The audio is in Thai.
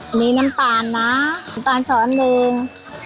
มีน้ำตาลนะน้ำตาลช้อนหนึ่ง